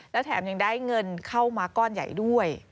และแถมยังได้เงินเข้ามาก้อนใหญ่ด้วย